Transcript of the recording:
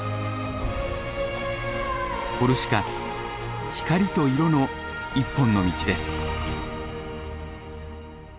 コルシカ光と色の一本の道です。